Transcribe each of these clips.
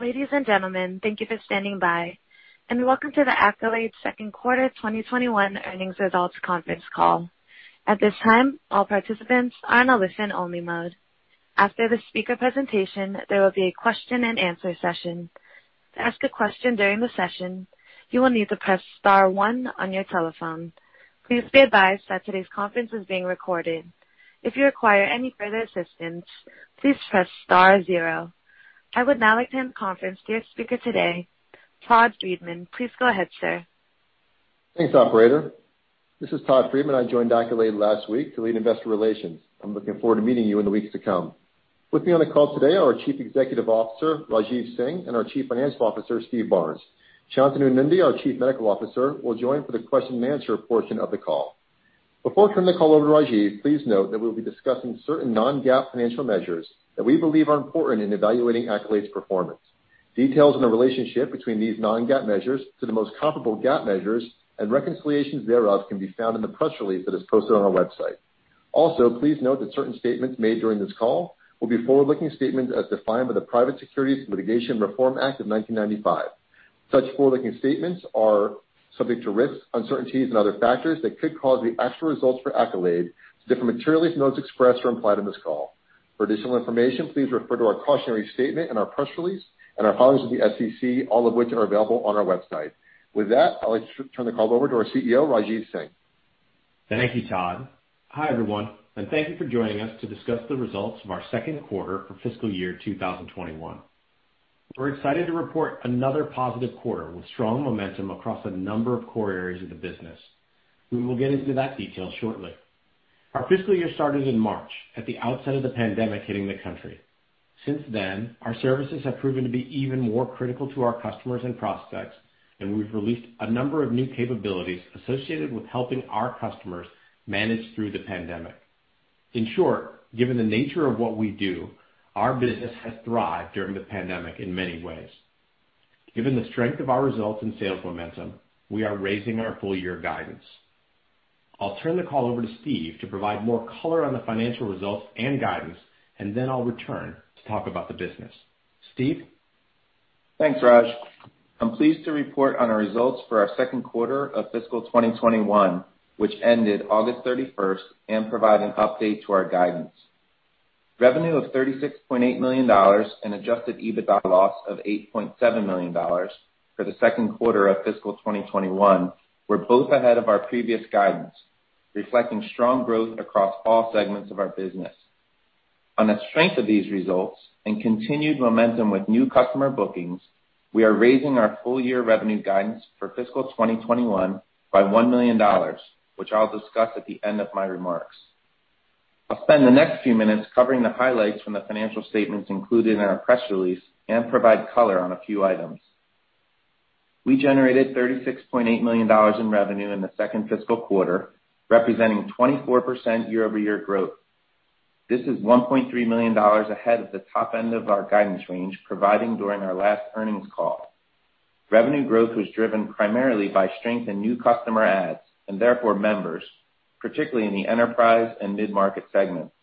Ladies and gentlemen, thank you for standing by, and welcome to the Accolade Second Quarter 2021 Earnings Results Conference Call. At this time, all participants are in a listen-only mode. After the speaker presentation, there will be a question and answer session. To ask a question during the session, you will need to press star one on your telephone. Please be advised that today's conference is being recorded. If you require any further assistance, please press star zero. I would now like to hand the conference to your speaker today, Todd Friedman. Please go ahead, sir. Thanks, operator. This is Todd Friedman. I joined Accolade last week to lead investor relations. I'm looking forward to meeting you in the weeks to come. With me on the call today are our Chief Executive Officer, Rajeev Singh, and our Chief Financial Officer, Steve Barnes. Shantanu Nundy, our Chief Medical Officer, will join for the question and answer portion of the call. Before I turn the call over to Rajeev, please note that we'll be discussing certain non-GAAP financial measures that we believe are important in evaluating Accolade's performance. Details on the relationship between these non-GAAP measures to the most comparable GAAP measures and reconciliations thereof can be found in the press release that is posted on our website. Please note that certain statements made during this call will be forward-looking statements as defined by the Private Securities Litigation Reform Act of 1995. Such forward-looking statements are subject to risks, uncertainties, and other factors that could cause the actual results for Accolade to differ materially from those expressed or implied in this call. For additional information, please refer to our cautionary statement in our press release and our filings with the SEC, all of which are available on our website. With that, I'd like to turn the call over to our CEO, Rajeev Singh. Thank you, Todd. Hi, everyone, and thank you for joining us to discuss the results of our second quarter for fiscal year 2021. We're excited to report another positive quarter with strong momentum across a number of core areas of the business. We will get into that detail shortly. Our fiscal year started in March at the outset of the pandemic hitting the country. Since then, our services have proven to be even more critical to our customers and prospects, and we've released a number of new capabilities associated with helping our customers manage through the pandemic. In short, given the nature of what we do, our business has thrived during the pandemic in many ways. Given the strength of our results and sales momentum, we are raising our full year guidance. I'll turn the call over to Steve to provide more color on the financial results and guidance, and then I'll return to talk about the business. Steve? Thanks, Raj. I'm pleased to report on our results for our second quarter of fiscal 2021, which ended August 31, and provide an update to our guidance. Revenue of $36.8 million and adjusted EBITDA loss of $8.7 million for the second quarter of fiscal 2021 were both ahead of our previous guidance, reflecting strong growth across all segments of our business. On the strength of these results and continued momentum with new customer bookings, we are raising our full-year revenue guidance for fiscal 2021 by $1 million, which I'll discuss at the end of my remarks. I'll spend the next few minutes covering the highlights from the financial statements included in our press release and provide color on a few items. We generated $36.8 million in revenue in the second fiscal quarter, representing 24% year-over-year growth. This is $1.3 million ahead of the top end of our guidance range providing during our last earnings call. Revenue growth was driven primarily by strength in new customer adds, and therefore members, particularly in the enterprise and mid-market segments.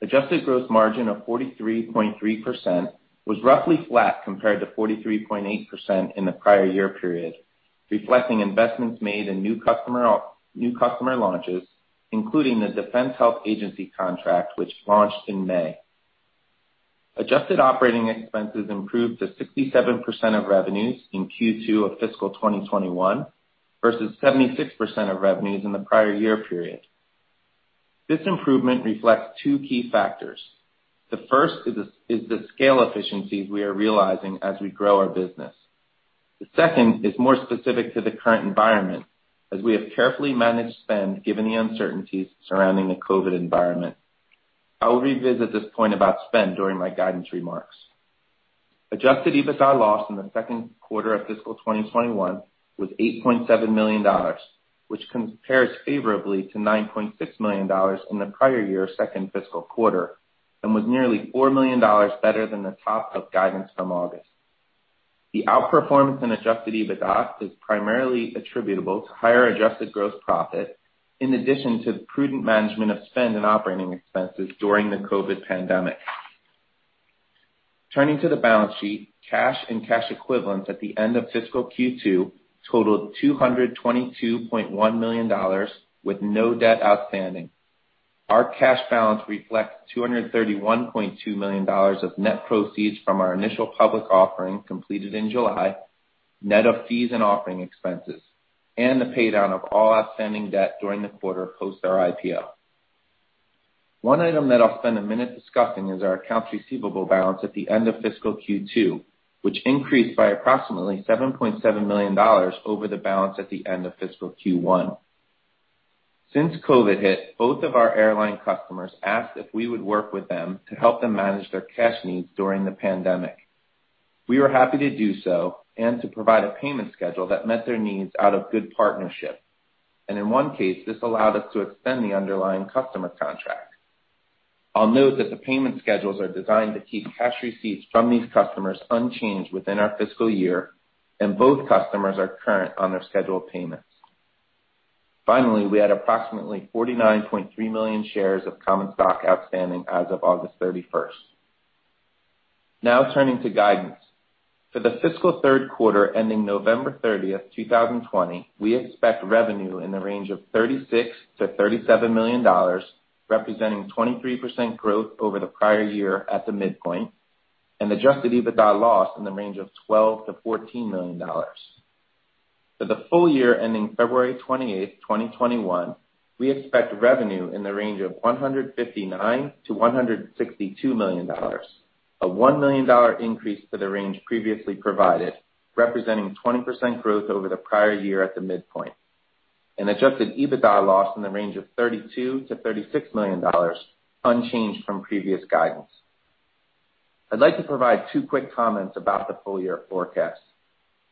Adjusted gross margin of 43.3% was roughly flat compared to 43.8% in the prior year period, reflecting investments made in new customer launches, including the Defense Health Agency contract, which launched in May. Adjusted operating expenses improved to 67% of revenues in Q2 of fiscal 2021 versus 76% of revenues in the prior year period. This improvement reflects two key factors. The first is the scale efficiencies we are realizing as we grow our business. The second is more specific to the current environment, as we have carefully managed spend given the uncertainties surrounding the COVID environment. I will revisit this point about spend during my guidance remarks. Adjusted EBITDA loss in the second quarter of fiscal 2021 was $8.7 million, which compares favorably to $9.6 million in the prior year second fiscal quarter and was nearly $4 million better than the top of guidance from August. The outperformance in adjusted EBITDA is primarily attributable to higher adjusted gross profit in addition to the prudent management of spend and operating expenses during the COVID pandemic. Turning to the balance sheet, cash and cash equivalents at the end of fiscal Q2 totaled $222.1 million with no debt outstanding. Our cash balance reflects $231.2 million of net proceeds from our initial public offering completed in July, net of fees and offering expenses, and the paydown of all outstanding debt during the quarter post our IPO. One item that I'll spend a minute discussing is our accounts receivable balance at the end of fiscal Q2, which increased by approximately $7.7 million over the balance at the end of fiscal Q1. Since COVID hit, both of our airline customers asked if we would work with them to help them manage their cash needs during the pandemic. We were happy to do so and to provide a payment schedule that met their needs out of good partnership. In one case, this allowed us to extend the underlying customer contract. I'll note that the payment schedules are designed to keep cash receipts from these customers unchanged within our fiscal year, and both customers are current on their scheduled payments. Finally, we had approximately 49.3 million shares of common stock outstanding as of August 31. Turning to guidance. For the fiscal third quarter ending November 30, 2020, we expect revenue in the range of $36 million to $37 million, representing 23% growth over the prior year at the midpoint, and adjusted EBITDA loss in the range of $12 million to $14 million. For the full year ending February 28, 2021, we expect revenue in the range of $159 million to $162 million, a $1 million increase to the range previously provided, representing 20% growth over the prior year at the midpoint, and adjusted EBITDA loss in the range of $32 million to $36 million, unchanged from previous guidance. I'd like to provide two quick comments about the full-year forecast.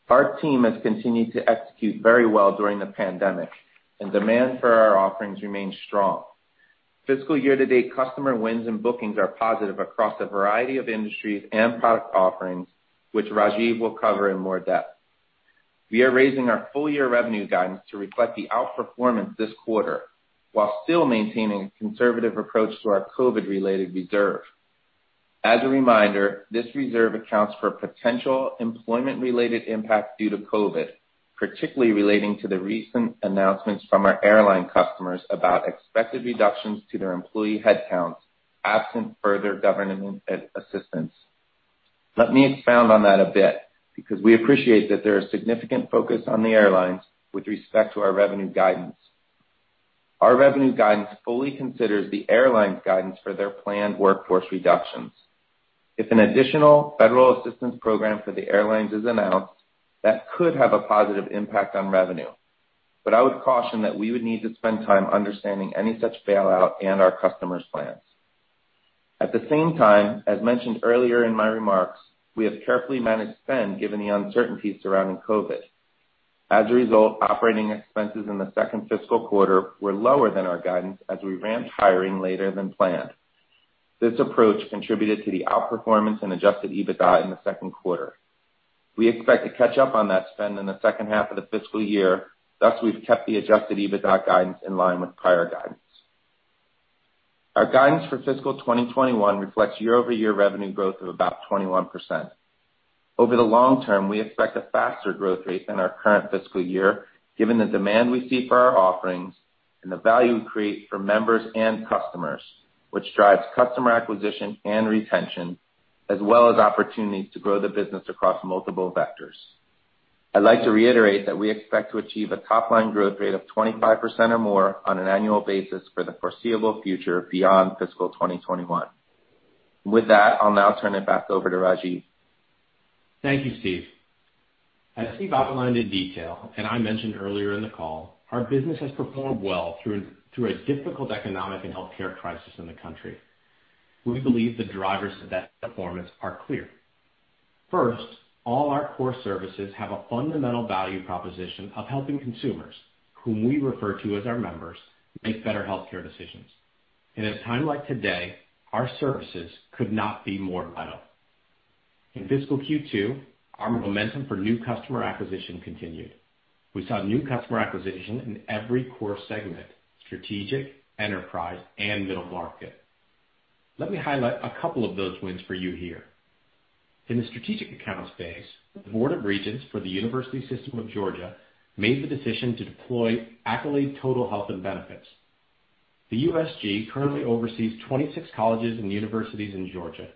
Our team has continued to execute very well during the pandemic, and demand for our offerings remains strong. Fiscal year-to-date customer wins and bookings are positive across a variety of industries and product offerings, which Rajeev will cover in more depth. We are raising our full-year revenue guidance to reflect the outperformance this quarter while still maintaining a conservative approach to our COVID-related reserve. As a reminder, this reserve accounts for potential employment-related impact due to COVID, particularly relating to the recent announcements from our airline customers about expected reductions to their employee headcounts, absent further government assistance. Let me expound on that a bit, because we appreciate that there is significant focus on the airlines with respect to our revenue guidance. Our revenue guidance fully considers the airlines' guidance for their planned workforce reductions. If an additional federal assistance program for the airlines is announced, that could have a positive impact on revenue. I would caution that we would need to spend time understanding any such bailout and our customers' plans. At the same time, as mentioned earlier in my remarks, we have carefully managed spend given the uncertainties surrounding COVID-19. As a result, operating expenses in the second fiscal quarter were lower than our guidance as we ramped hiring later than planned. This approach contributed to the outperformance and adjusted EBITDA in the second quarter. We expect to catch up on that spend in the second half of the fiscal year, thus we've kept the adjusted EBITDA guidance in line with prior guidance. Our guidance for fiscal 2021 reflects year-over-year revenue growth of about 21%. Over the long term, we expect a faster growth rate than our current fiscal year, given the demand we see for our offerings and the value we create for members and customers, which drives customer acquisition and retention, as well as opportunities to grow the business across multiple vectors. I'd like to reiterate that we expect to achieve a top-line growth rate of 25% or more on an annual basis for the foreseeable future beyond fiscal 2021. With that, I'll now turn it back over to Rajeev. Thank you, Steve. As Steve outlined in detail and I mentioned earlier in the call, our business has performed well through a difficult economic and healthcare crisis in the country. We believe the drivers to that performance are clear. First, all our core services have a fundamental value proposition of helping consumers, whom we refer to as our members, make better healthcare decisions. In a time like today, our services could not be more vital. In fiscal Q2, our momentum for new customer acquisition continued. We saw new customer acquisition in every core segment: strategic, enterprise, and middle market. Let me highlight a couple of those wins for you here. In the strategic account space, the Board of Regents for the University System of Georgia made the decision to deploy Accolade Total Health and Benefits. The USG currently oversees 26 colleges and universities in Georgia.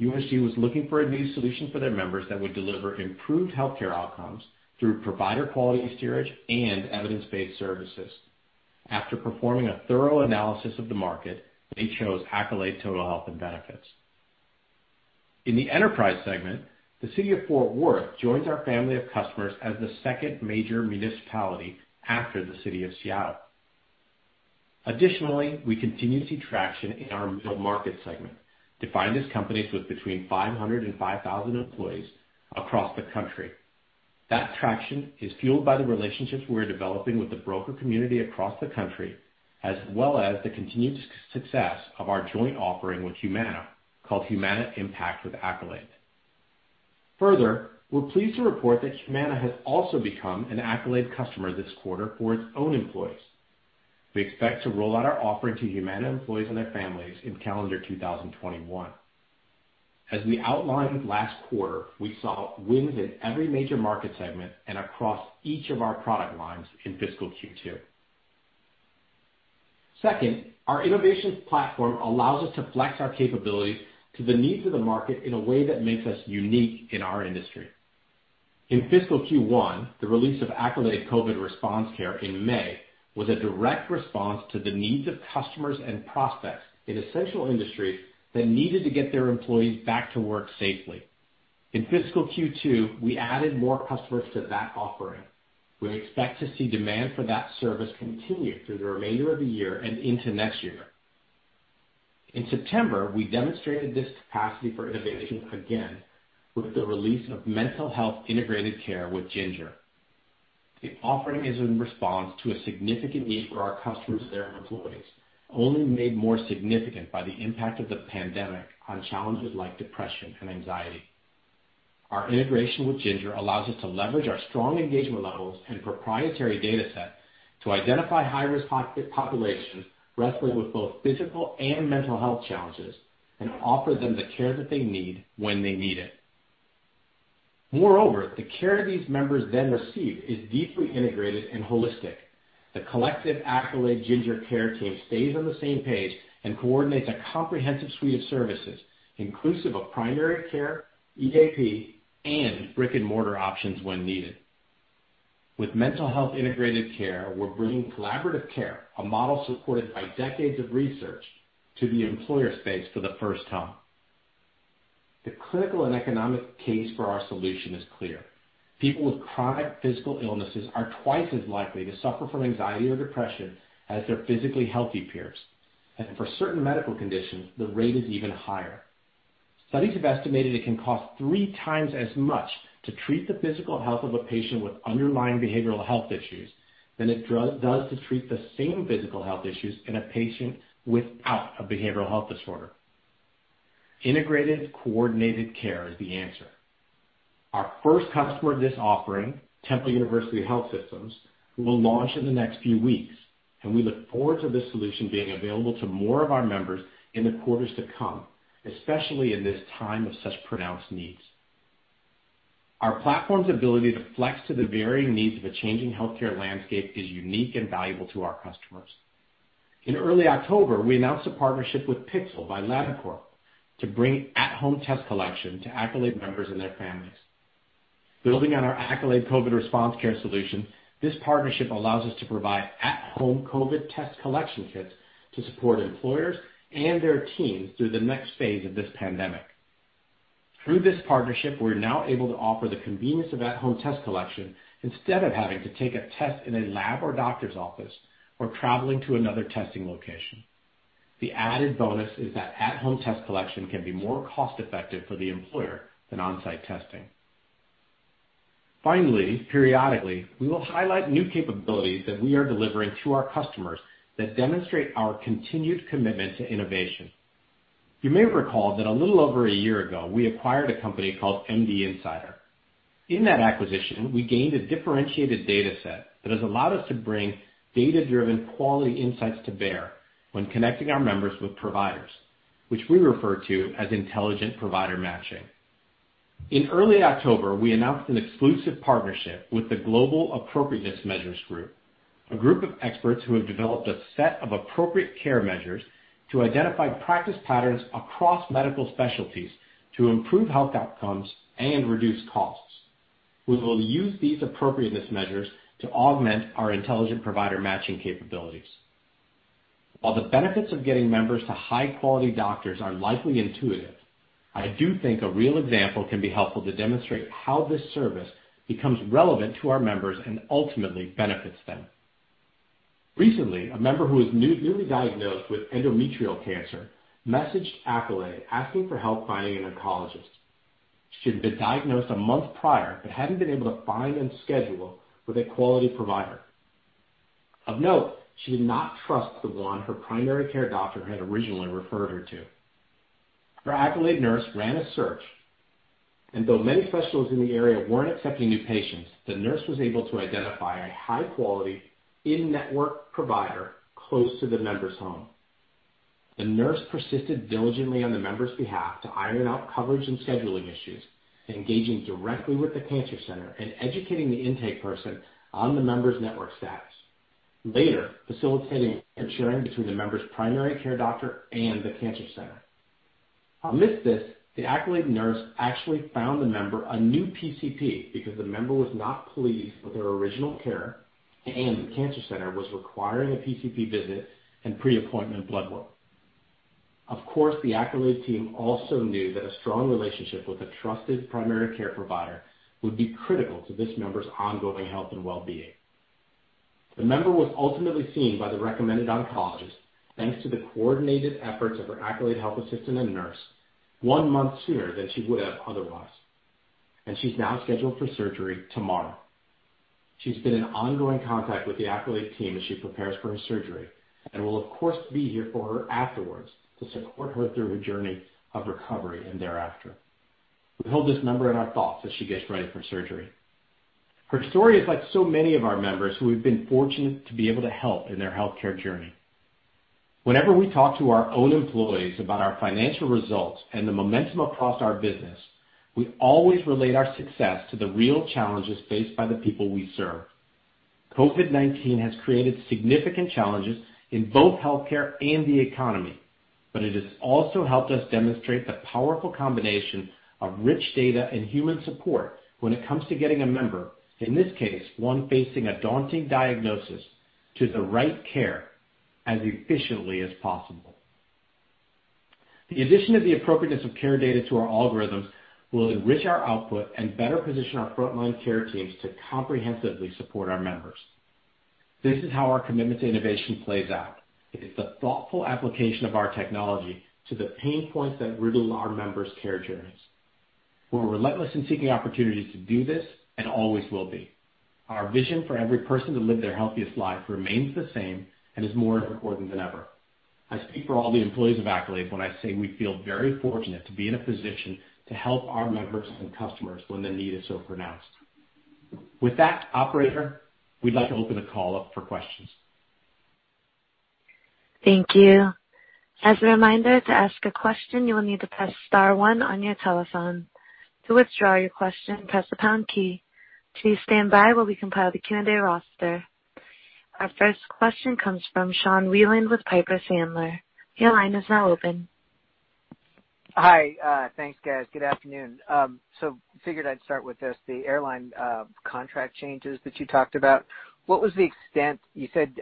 USG was looking for a new solution for their members that would deliver improved healthcare outcomes through provider quality steerage and evidence-based services. After performing a thorough analysis of the market, they chose Accolade Total Health and Benefits. In the enterprise segment, the City of Fort Worth joins our family of customers as the second major municipality after the City of Seattle. Additionally, we continue to see traction in our middle market segment, defined as companies with between 500 and 5,000 employees across the country. That traction is fueled by the relationships we're developing with the broker community across the country, as well as the continued success of our joint offering with Humana, called Humana with Accolade. Further, we're pleased to report that Humana has also become an Accolade customer this quarter for its own employees. We expect to roll out our offering to Humana employees and their families in calendar 2021. As we outlined last quarter, we saw wins in every major market segment and across each of our product lines in fiscal Q2. Second, our innovations platform allows us to flex our capabilities to the needs of the market in a way that makes us unique in our industry. In fiscal Q1, the release of Accolade COVID Response Care in May was a direct response to the needs of customers and prospects in essential industries that needed to get their employees back to work safely. In fiscal Q2, we added more customers to that offering. We expect to see demand for that service continue through the remainder of the year and into next year. In September, we demonstrated this capacity for innovation again with the release of Mental Health Integrated Care with Ginger. The offering is in response to a significant need for our customers and their employees, only made more significant by the impact of the pandemic on challenges like depression and anxiety. Our integration with Ginger allows us to leverage our strong engagement levels and proprietary data set to identify high-risk populations wrestling with both physical and mental health challenges, and offer them the care that they need when they need it. Moreover, the care these members then receive is deeply integrated and holistic. The collective Accolade Ginger care team stays on the same page and coordinates a comprehensive suite of services, inclusive of primary care, EAP, and brick-and-mortar options when needed. With Mental Health Integrated Care, we're bringing collaborative care, a model supported by decades of research, to the employer space for the first time. The clinical and economic case for our solution is clear. People with chronic physical illnesses are twice as likely to suffer from anxiety or depression as their physically healthy peers, and for certain medical conditions, the rate is even higher. Studies have estimated it can cost three times as much to treat the physical health of a patient with underlying behavioral health issues than it does to treat the same physical health issues in a patient without a behavioral health disorder. Integrated, coordinated care is the answer. Our first customer of this offering, Temple University Health System, will launch in the next few weeks, and we look forward to this solution being available to more of our members in the quarters to come, especially in this time of such pronounced needs. Our platform's ability to flex to the varying needs of a changing healthcare landscape is unique and valuable to our customers. In early October, we announced a partnership with Pixel by Labcorp to bring at-home test collection to Accolade members and their families. Building on our Accolade COVID Response Care solution, this partnership allows us to provide at-home COVID test collection kits to support employers and their teams through the next phase of this pandemic. Through this partnership, we're now able to offer the convenience of at-home test collection instead of having to take a test in a lab or doctor's office, or traveling to another testing location. The added bonus is that at-home test collection can be more cost-effective for the employer than on-site testing. Finally, periodically, we will highlight new capabilities that we are delivering to our customers that demonstrate our continued commitment to innovation. You may recall that a little over a year ago, we acquired a company called MD Insider. In that acquisition, we gained a dif ferentiated data set that has allowed us to bring data-driven quality insights to bear when connecting our members with providers, which we refer to as intelligent provider matching. In early October, we announced an exclusive partnership with the Global Appropriateness Measures, a group of experts who have developed a set of appropriate care measures to identify practice patterns across medical specialties to improve health outcomes and reduce costs. We will use these appropriateness measures to augment our intelligent provider matching capabilities. While the benefits of getting members to high-quality doctors are likely intuitive, I do think a real example can be helpful to demonstrate how this service becomes relevant to our members and ultimately benefits them. Recently, a member who was newly diagnosed with endometrial cancer messaged Accolade asking for help finding an oncologist. She had been diagnosed a month prior but hadn't been able to find and schedule with a quality provider. Of note, she did not trust the one her primary care doctor had originally referred her to. Her Accolade nurse ran a search, and though many specialists in the area weren't accepting new patients, the nurse was able to identify a high-quality, in-network provider close to the member's home. The nurse persisted diligently on the member's behalf to iron out coverage and scheduling issues, engaging directly with the cancer center and educating the intake person on the member's network status, later facilitating and interfacing between the member's primary care doctor and the cancer center. Amidst this, the Accolade nurse actually found the member a new PCP because the member was not pleased with her original care, and the cancer center was requiring a PCP visit and pre-appointment blood work. Of course, the Accolade team also knew that a strong relationship with a trusted primary care provider would be critical to this member's ongoing health and well-being. The member was ultimately seen by the recommended oncologist, thanks to the coordinated efforts of her Accolade health assistant and nurse, one month sooner than she would have otherwise. She's now scheduled for surgery tomorrow. She's been in ongoing contact with the Accolade team as she prepares for her surgery, and we'll of course, be here for her afterwards to support her through her journey of recovery and thereafter. We hold this member in our thoughts as she gets ready for surgery. Her story is like so many of our members who we've been fortunate to be able to help in their healthcare journey. Whenever we talk to our own employees about our financial results and the momentum across our business, we always relate our success to the real challenges faced by the people we serve. COVID-19 has created significant challenges in both healthcare and the economy, but it has also helped us demonstrate the powerful combination of rich data and human support when it comes to getting a member, in this case, one facing a daunting diagnosis, to the right care as efficiently as possible. The addition of the appropriateness of care data to our algorithms will enrich our output and better position our frontline care teams to comprehensively support our members. This is how our commitment to innovation plays out. It is the thoughtful application of our technology to the pain points that riddle our members' care journeys. We're relentless in seeking opportunities to do this and always will be. Our vision for every person to live their healthiest life remains the same and is more important than ever. I speak for all the employees of Accolade when I say we feel very fortunate to be in a position to help our members and customers when the need is so pronounced. With that, operator, we'd like to open the call up for questions. Thank you. As a reminder, to ask a question, you will need to press star one on your telephone. To withdraw your question, press the pound key. Please stand by while we compile the Q&A roster. Our first question comes from Sean Wieland with Piper Sandler. Your line is now open. Hi. Thanks, guys. Good afternoon. figured I'd start with this, the airline contract changes that you talked about. You said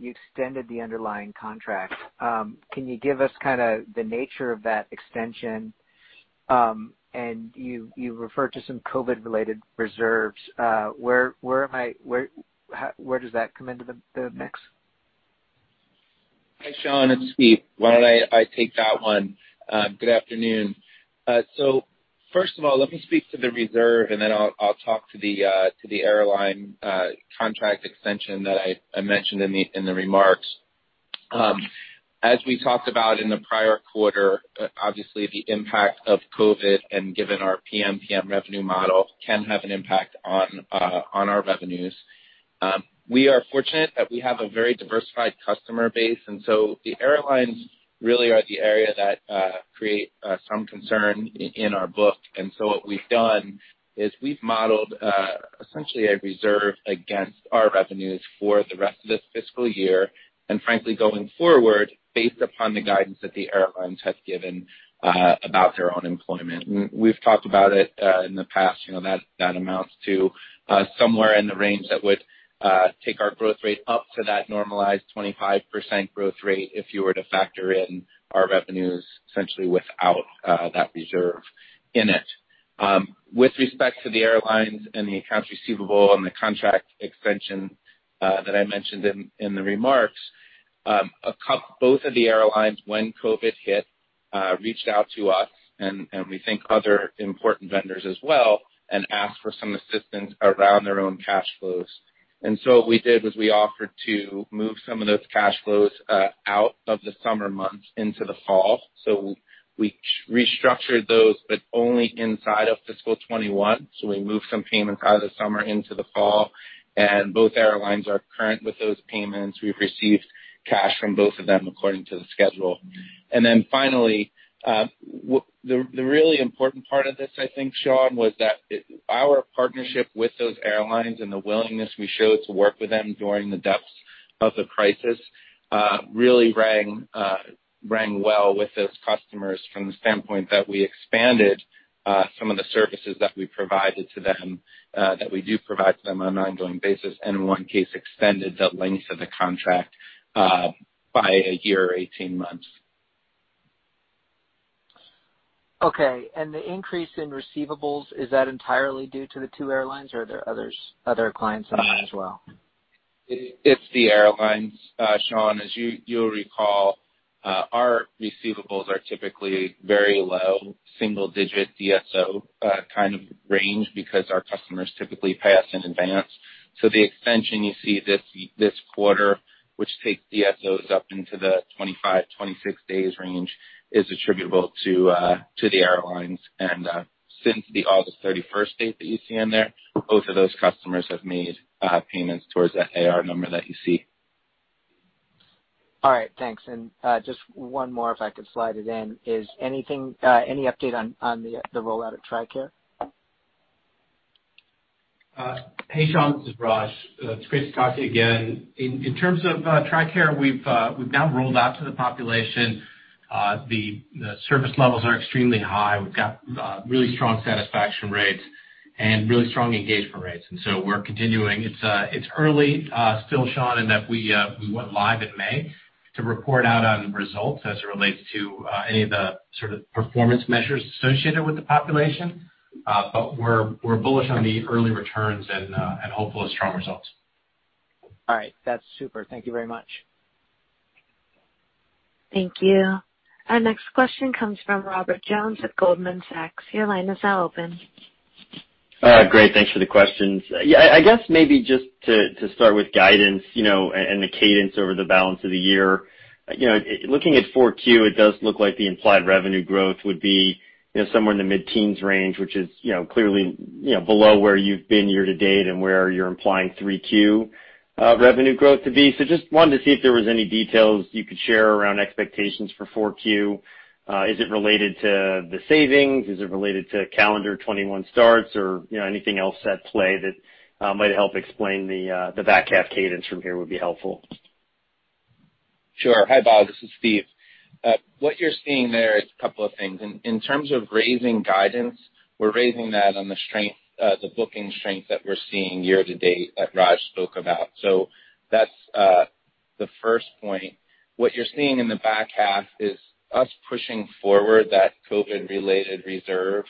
you extended the underlying contract. Can you give us kind of the nature of that extension? You referred to some COVID-related reserves. Where does that come into the mix? Hi, Sean. It's Steve. Why don't I take that one? Good afternoon. First of all, let me speak to the reserve, and then I'll talk to the airline contract extension that I mentioned in the remarks. As we talked about in the prior quarter, obviously, the impact of COVID-19, and given our PMPM revenue model, can have an impact on our revenues. We are fortunate that we have a very diversified customer base, the airlines really are the area that create some concern in our book. What we've done is we've modeled essentially a reserve against our revenues for the rest of this fiscal year, and frankly, going forward, based upon the guidance that the airlines have given about their own employment. We've talked about it in the past. That amounts to somewhere in the range that would take our growth rate up to that normalized 25% growth rate if you were to factor in our revenues essentially without that reserve in it. With respect to the airlines and the accounts receivable and the contract extension that I mentioned in the remarks, both of the airlines, when COVID-19 hit, reached out to us, and we think other important vendors as well, and asked for some assistance around their own cash flows. What we did was we offered to move some of those cash flows out of the summer months into the fall. We restructured those, but only inside of fiscal 2021. We moved some payments out of the summer into the fall, and both airlines are current with those payments. We've received cash from both of them according to the schedule. Finally, the really important part of this, I think, Sean, was that our partnership with those airlines and the willingness we showed to work with them during the depths of the crisis really rang well with those customers from the standpoint that we expanded some of the services that we provided to them, that we do provide to them on an ongoing basis. In one case, extended the length of the contract by a year or 18 months. Okay, the increase in receivables, is that entirely due to the two airlines, or are there other clients on that as well? It's the airlines, Sean. As you'll recall, our receivables are typically very low, single-digit DSO kind of range because our customers typically pay us in advance. The extension you see this quarter, which takes DSOs up into the 25, 26 days range, is attributable to the airlines. Since the August 31 date that you see on there, both of those customers have made payments towards that AR number that you see. All right, thanks. Just one more, if I could slide it in, is any update on the rollout of TRICARE? Hey, Sean, this is Raj. It's great to talk to you again. In terms of TRICARE, we've now rolled out to the population. The service levels are extremely high. We've got really strong satisfaction rates and really strong engagement rates. We're continuing. It's early still, Sean, in that we went live in May to report out on results as it relates to any of the sort of performance measures associated with the population. We're bullish on the early returns and hopeful of strong results. All right. That's super. Thank you very much. Thank you. Our next question comes from Robert Jones at Goldman Sachs. Your line is now open. Great. Thanks for the questions. Yeah, I guess maybe just to start with guidance and the cadence over the balance of the year. Looking at four Q, it does look like the implied revenue growth would be somewhere in the mid-teens range, which is clearly below where you've been year-to-date and where you're implying three Q revenue growth to be. Just wanted to see if there was any details you could share around expectations for four Q. Is it related to the savings? Is it related to calendar 2021 starts or anything else at play that might help explain the back half cadence from here would be helpful. Sure. Hi, Rob. This is Steve. What you're seeing there is a couple of things. In terms of raising guidance, we're raising that on the booking strength that we're seeing year to date that Raj spoke about. That's the first point. What you're seeing in the back half is us pushing forward that COVID-related reserve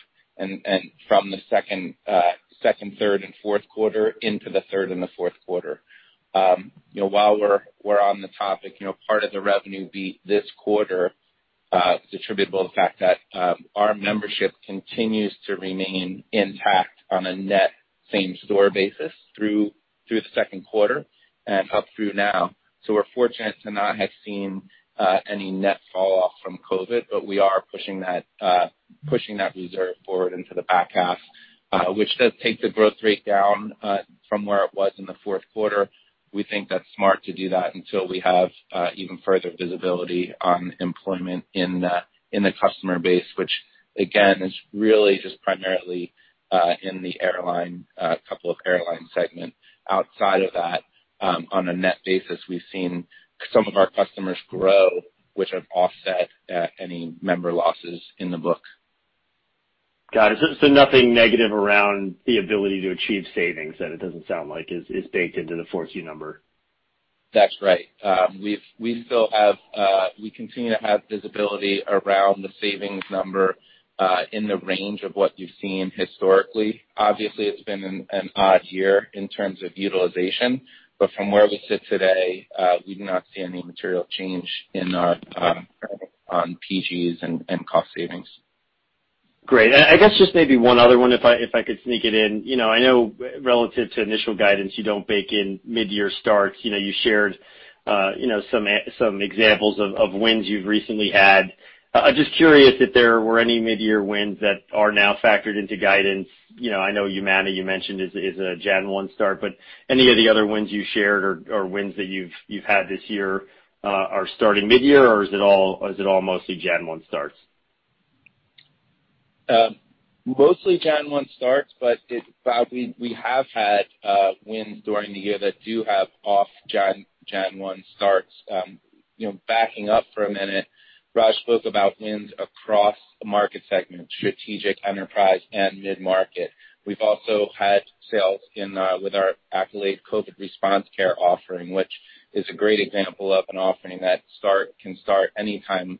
from the second, third, and fourth quarter into the third and the fourth quarter. While we're on the topic, part of the revenue beat this quarter attributable to the fact that our membership continues to remain intact on a net same-store basis through the second quarter and up through now. We're fortunate to not have seen any net fall off from COVID, but we are pushing that reserve forward into the back half, which does take the growth rate down from where it was in the fourth quarter. We think that's smart to do that until we have even further visibility on employment in the customer base, which again, is really just primarily in the couple of airline segments. Outside of that, on a net basis, we've seen some of our customers grow, which have offset any member losses in the book. Got it. Nothing negative around the ability to achieve savings, that it doesn't sound like is baked into the 4Q number. That's right. We continue to have visibility around the savings number, in the range of what you've seen historically. Obviously, it's been an odd year in terms of utilization. From where we sit today, we do not see any material change in our PGs and cost savings. Great. I guess just maybe one other one, if I could sneak it in. I know relative to initial guidance, you don't bake in mid-year starts. You shared some examples of wins you've recently had. I'm just curious if there were any mid-year wins that are now factored into guidance. I know Humana, you mentioned, is a January 1 start, but any of the other wins you shared or wins that you've had this year are starting mid-year, or is it all mostly January 1 starts? Mostly January 1 starts, we have had wins during the year that do have off January 1 starts. Backing up for a minute, Raj spoke about wins across a market segment, strategic, enterprise, and mid-market. We've also had sales with our Accolade COVID Response Care offering, which is a great example of an offering that can start any time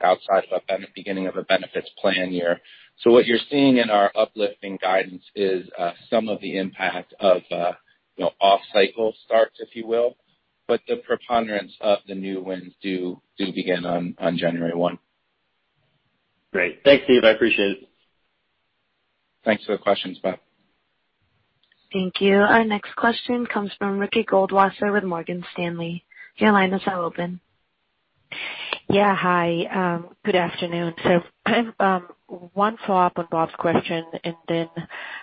outside of a beginning of a benefits plan year. What you're seeing in our uplifting guidance is some of the impact of off-cycle starts, if you will. The preponderance of the new wins do begin on January 1. Great. Thanks, Steve. I appreciate it. Thanks for the questions, Rob. Thank you. Our next question comes from Ricky Goldwasser with Morgan Stanley. Your line is now open. Yeah. Hi, good afternoon. One follow-up on Rob's question and then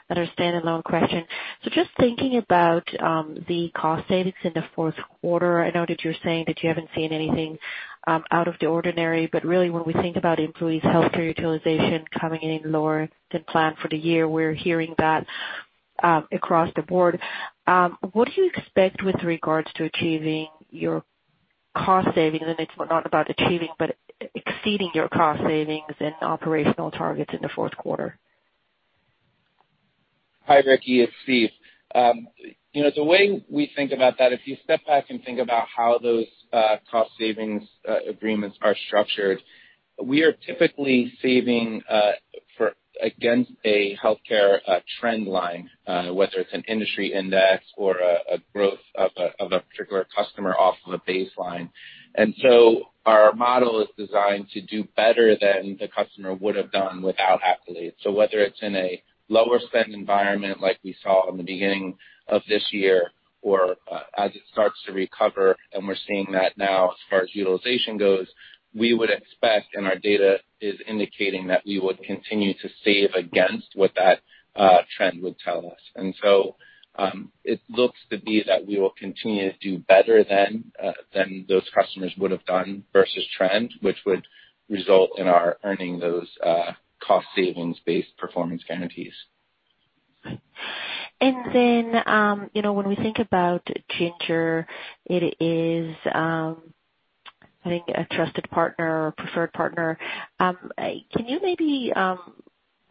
another standalone question. Just thinking about the cost savings in the fourth quarter, I know that you're saying that you haven't seen anything out of the ordinary, but really, when we think about employees' healthcare utilization coming in lower than planned for the year, we're hearing that across the board. What do you expect with regards to achieving your cost savings, and it's not about achieving, but exceeding your cost savings and operational targets in the fourth quarter? Hi, Ricky, it's Steve. The way we think about that, if you step back and think about how those cost savings agreements are structured, we are typically saving against a healthcare trend line, whether it's an industry index or a growth of a particular customer off of a baseline. Our model is designed to do better than the customer would've done without Accolade. Whether it's in a lower-spend environment like we saw in the beginning of this year or as it starts to recover, and we're seeing that now as far as utilization goes, we would expect, and our data is indicating that we would continue to save against what that trend would tell us. It looks to be that we will continue to do better than those customers would've done versus trend, which would result in our earning those cost savings-based Performance Guarantees. When we think about Ginger, it is, I think a trusted partner or preferred partner. Can you maybe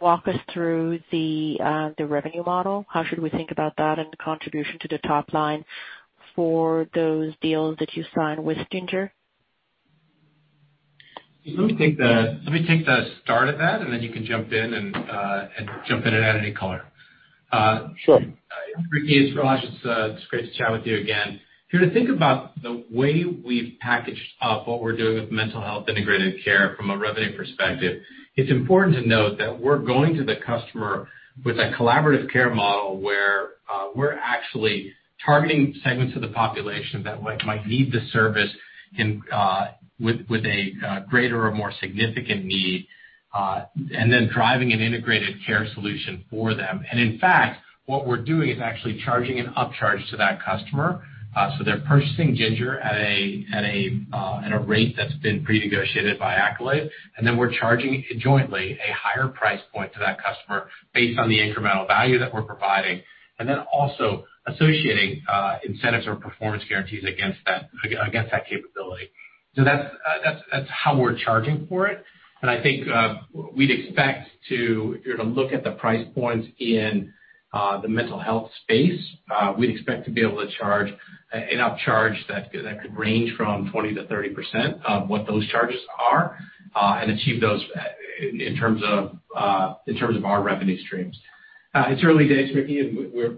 walk us through the revenue model? How should we think about that and the contribution to the top line for those deals that you signed with Ginger? Let me take the start of that, and then you can jump in and add any color. Sure. Ricky, it's Raj. It's great to chat with you again. If you were to think about the way we've packaged up what we're doing with Mental Health Integrated Care from a revenue perspective, it's important to note that we're going to the customer with a collaborative care model where we're actually targeting segments of the population that might need the service with a greater or more significant need, and then driving an integrated care solution for them. In fact, what we're doing is actually charging an upcharge to that customer. They're purchasing Ginger at a rate that's been pre-negotiated by Accolade, and then we're charging jointly a higher price point to that customer based on the incremental value that we're providing, and then also associating incentives or performance guarantees against that capability. That's how we're charging for it, and I think we'd expect to, if you're to look at the price points in the mental health space, we'd expect to be able to charge an upcharge that could range from 20% to 30% of what those charges are, and achieve those in terms of our revenue streams. It's early days, Ricky,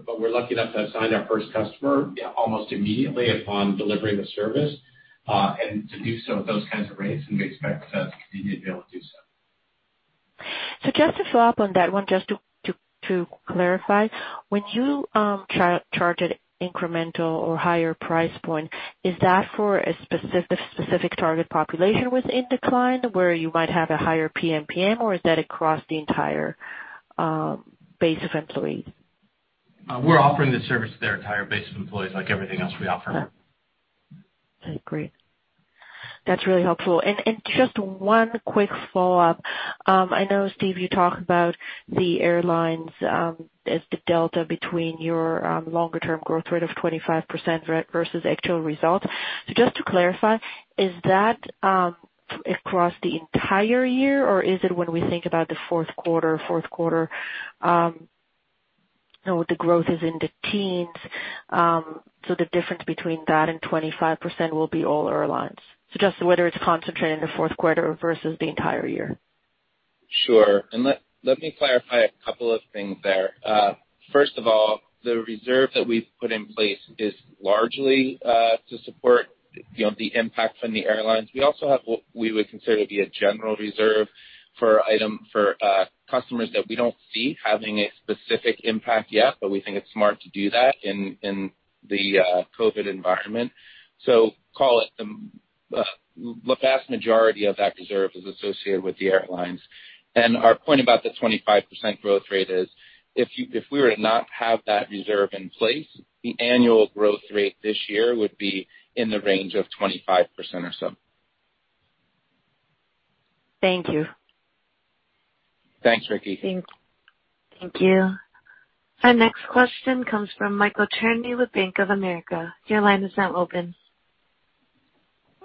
but we're lucky enough to have signed our first customer almost immediately upon delivering the service, and to do so at those kinds of rates, and we expect to continue to be able to do so. Just to follow up on that one, just to clarify, when you charge an incremental or higher price point, is that for a specific target population within Accolade where you might have a higher PMPM, or is that across the entire base of employees? We're offering the service to their entire base of employees, like everything else we offer. Okay, great. That's really helpful. Just one quick follow-up. I know, Steve, you talked about the airlines as the delta between your longer-term growth rate of 25% versus actual results. Just to clarify, is that across the entire year, or is it when we think about the fourth quarter, the growth is in the teens, so the difference between that and 25% will be all airlines? Just whether it's concentrated in the fourth quarter versus the entire year. Sure. Let me clarify a couple of things there. First of all, the reserve that we've put in place is largely to support the impact from the airlines. We also have what we would consider to be a general reserve for customers that we don't see having a specific impact yet, but we think it's smart to do that in the COVID-19 environment. Call it the vast majority of that reserve is associated with the airlines. Our point about the 25% growth rate is, if we were to not have that reserve in place, the annual growth rate this year would be in the range of 25% or so. Thank you. Thanks, Ricky. Thanks. Thank you. Our next question comes from Michael Turrin with Bank of America.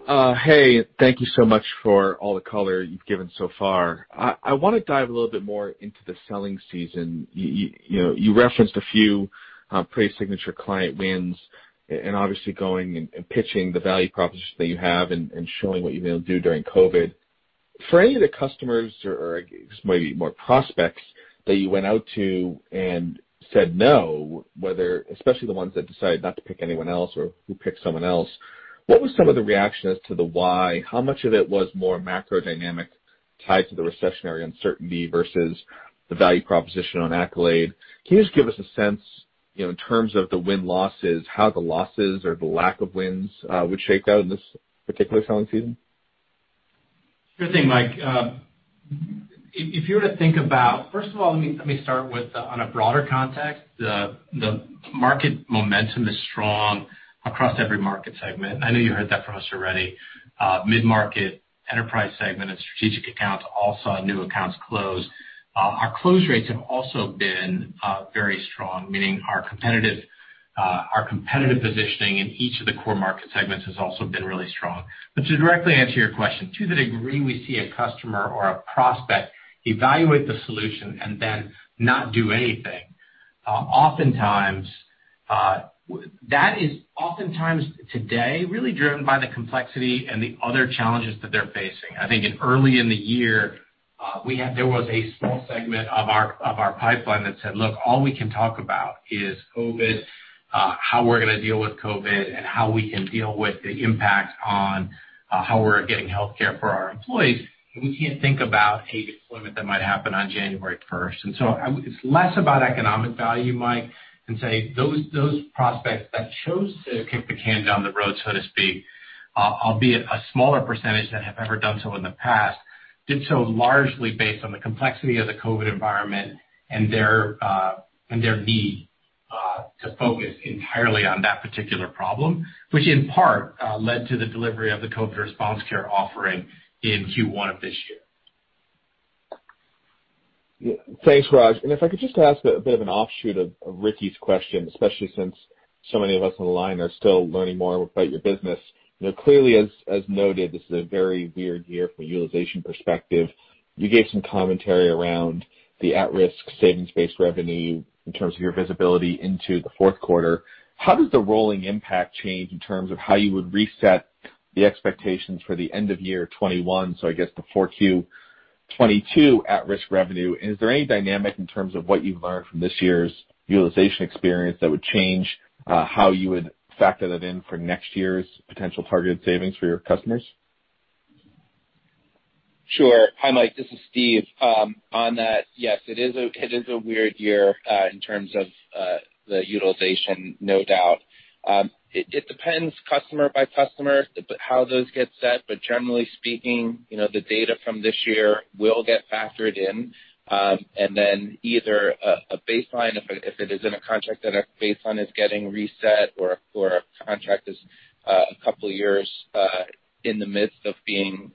Hey, thank you so much for all the color you've given so far. I want to dive a little bit more into the selling season. You referenced a few pretty signature client wins, obviously going and pitching the value proposition that you have and showing what you've been able to do during COVID. For any of the customers, or maybe more prospects, that you went out to and said no, especially the ones that decided not to pick anyone else or who picked someone else, what was some of the reaction as to the why? How much of it was more macro dynamic tied to the recessionary uncertainty versus the value proposition on Accolade? Can you just give us a sense, in terms of the win-losses, how the losses or the lack of wins would shake out in this particular selling season? Sure thing, Mike. First of all, let me start with on a broader context. The market momentum is strong across every market segment. I know you heard that from us already. Mid-market, enterprise segment, and strategic accounts all saw new accounts close. Our close rates have also been very strong, meaning our competitive positioning in each of the core market segments has also been really strong. To directly answer your question, to the degree we see a customer or a prospect evaluate the solution and then not do anything, that is oftentimes today really driven by the complexity and the other challenges that they're facing. I think early in the year, there was a small segment of our pipeline that said, "Look, all we can talk about is COVID, how we're going to deal with COVID, and how we can deal with the impact on how we're getting healthcare for our employees, and we can't think about a deployment that might happen on January 1." So it's less about economic value, Mike, and say those prospects that chose to kick the can down the road, so to speak, albeit a smaller percentage than have ever done so in the past, did so largely based on the complexity of the COVID environment and their need to focus entirely on that particular problem, which in part led to the delivery of the Accolade COVID Response Care offering in Q1 of this year. Thanks, Raj. If I could just ask a bit of an offshoot of Ricky's question, especially since so many of us on the line are still learning more about your business. Clearly as noted, this is a very weird year from a utilization perspective. You gave some commentary around the at-risk savings-based revenue in terms of your visibility into the fourth quarter. How does the rolling impact change in terms of how you would reset the expectations for the end of year 2021, so I guess the 4Q 2022 at-risk revenue? Is there any dynamic in terms of what you've learned from this year's utilization experience that would change how you would factor that in for next year's potential targeted savings for your customers? Sure. Hi, Mike. This is Steve. On that, yes, it is a weird year in terms of the utilization, no doubt. It depends customer by customer, how those get set. Generally speaking, the data from this year will get factored in, and then either a baseline, if it is in a contract and a baseline is getting reset or a contract is a couple of years in the midst of being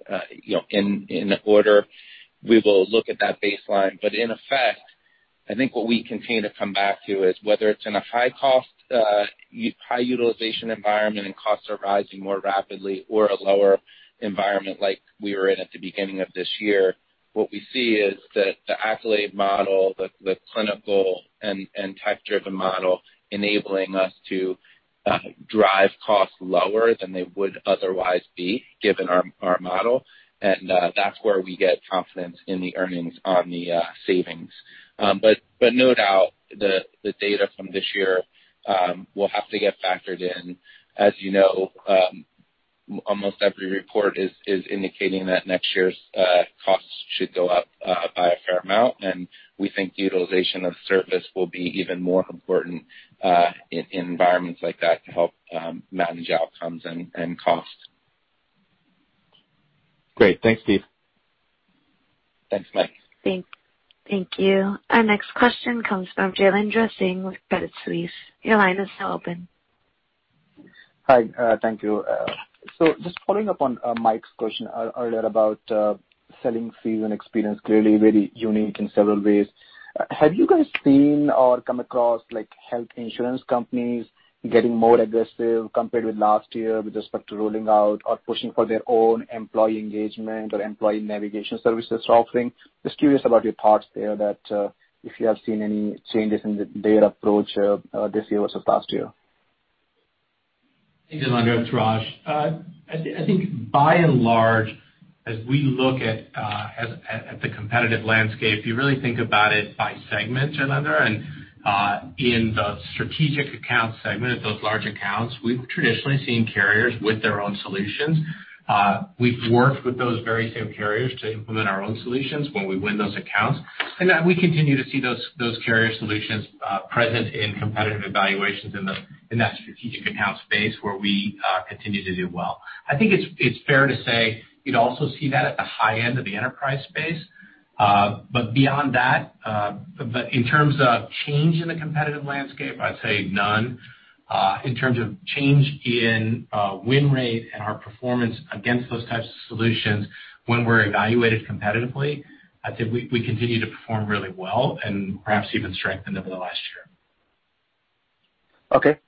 in order, we will look at that baseline. In effect, I think what we continue to come back to is whether it's in a high utilization environment and costs are rising more rapidly or a lower environment like we were in at the beginning of this year, what we see is that the Accolade model, the clinical and tech-driven model, enabling us to drive costs lower than they would otherwise be given our model, and that's where we get confidence in the earnings on the savings. No doubt, the data from this year will have to get factored in. As you know, almost every report is indicating that next year's costs should go up by a fair amount, and we think utilization of service will be even more important in environments like that to help manage outcomes and costs. Great. Thanks, Steve. Thanks, Mike. Thank you. Our next question comes from Jailendra Singh with Credit Suisse. Your line is now open. Hi. Thank you. Just following up on Mike's question earlier about selling fees and experience, clearly very unique in several ways. Have you guys seen or come across health insurance companies getting more aggressive compared with last year with respect to rolling out or pushing for their own employee engagement or employee navigation services offering? Just curious about your thoughts there, that if you have seen any changes in their approach this year versus last year. Thanks, Jailendra. It's Raj. I think by and large, as we look at the competitive landscape, you really think about it by segment, Jailendra. In the strategic account segment, those large accounts, we've traditionally seen carriers with their own solutions. We've worked with those very same carriers to implement our own solutions when we win those accounts, and we continue to see those carrier solutions present in competitive evaluations in that strategic account space where we continue to do well. I think it's fair to say you'd also see that at the high end of the enterprise space. Beyond that, in terms of change in the competitive landscape, I'd say none. In terms of change in win rate and our performance against those types of solutions when we're evaluated competitively, I'd say we continue to perform really well and perhaps even strengthen over the last year. Okay.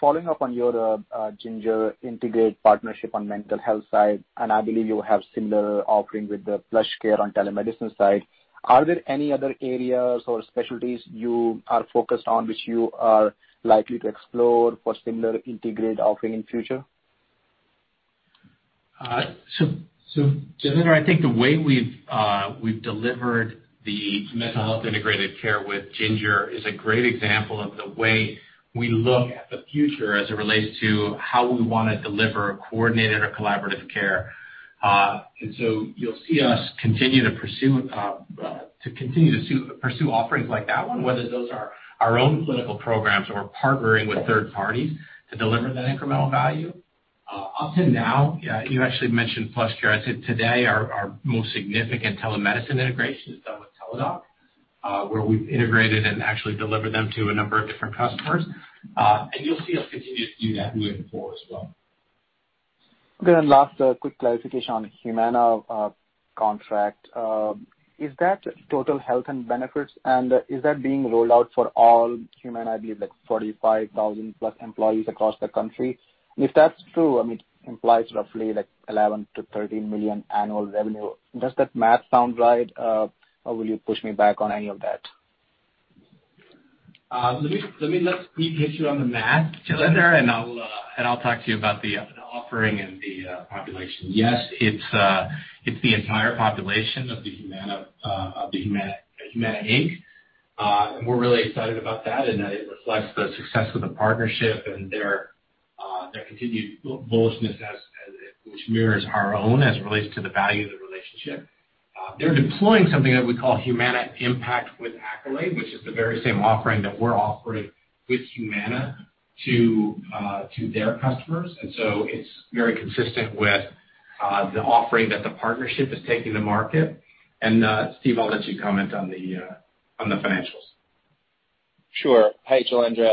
Following up on your Ginger integrate partnership on mental health side, I believe you have similar offering with the PlushCare on telemedicine side. Are there any other areas or specialties you are focused on which you are likely to explore for similar integrated offering in future? Jailendra, I think the way we've delivered the Mental Health Integrated Care with Ginger is a great example of the way we look at the future as it relates to how we want to deliver coordinated or collaborative care. You'll see us continue to pursue offerings like that one, whether those are our own clinical programs or partnering with third parties to deliver that incremental value. Up to now, you actually mentioned PlushCare. I'd say today, our most significant telemedicine integration is done with Teladoc, where we've integrated and actually delivered them to a number of different customers. You'll see us continue to do that moving forward as well. Okay. Last, quick clarification on Humana contract. Is that Total Health and Benefits, and is that being rolled out for all Humana, I believe like 45,000 plus employees across the country? If that's true, it implies roughly $11 million to $13 million annual revenue. Does that math sound right? Will you push me back on any of that? Let me let Steve hit you on the math, Jailendra, I'll talk to you about the offering and the population. Yes, it's the entire population of the Humana Inc. We're really excited about that, and it reflects the success of the partnership and their continued bullishness, which mirrors our own as it relates to the value of the relationship. They're deploying something that we call Humana with Accolade, which is the very same offering that we're offering with Humana to their customers. It's very consistent with the offering that the partnership is taking to market. Steve, I'll let you comment on the financials. Sure. Hi, Jailendra.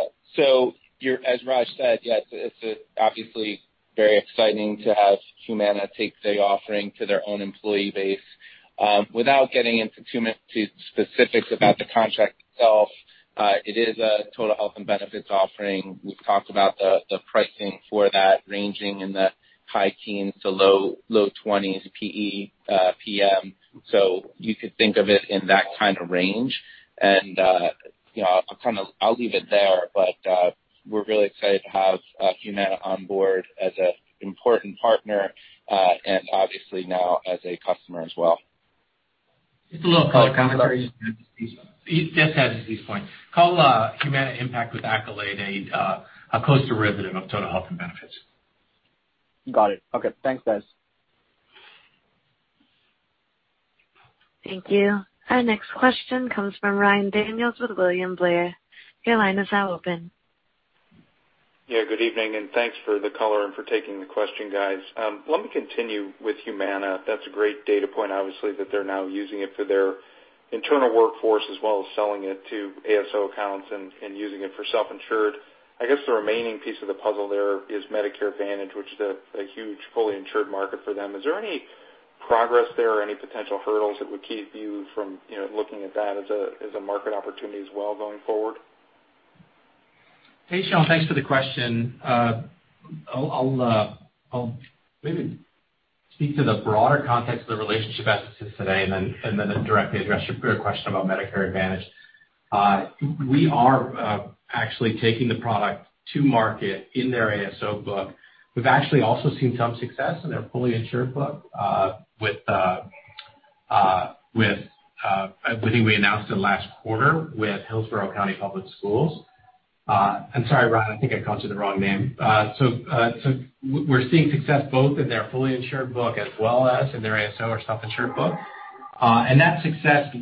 As Raj said, yes, it's obviously very exciting to have Humana take the offering to their own employee base. Without getting into too much specifics about the contract itself, it is a total health and benefits offering. We've talked about the pricing for that ranging in the high teens to low twenties PEPM. You could think of it in that kind of range. I'll leave it there, but we're really excited to have Humana on board as an important partner and obviously now as a customer as well. Just a little color commentary Steve. Just to add to Steve's point, call Humana with Accolade a close derivative of Total Health and Benefits. Got it. Okay. Thanks, guys. Thank you. Our next question comes from Ryan Daniels with William Blair. Your line is now open. Yeah, good evening, and thanks for the color and for taking the question, guys. Let me continue with Humana. That's a great data point, obviously, that they're now using it for their internal workforce as well as selling it to ASO accounts and using it for self-insured. I guess the remaining piece of the puzzle there is Medicare Advantage, which is a huge fully insured market for them. Is there any progress there or any potential hurdles that would keep you from looking at that as a market opportunity as well going forward? Hey, Sean. Thanks for the question. I'll maybe speak to the broader context of the relationship as it sits today, and then directly address your question about Medicare Advantage. We are actually taking the product to market in their ASO book. We've actually also seen some success in their fully insured book, with a winning we announced in the last quarter with Hillsborough County Public Schools. I'm sorry, Ryan, I think I called you the wrong name. We're seeing success both in their fully insured book as well as in their ASO or self-insured book. That success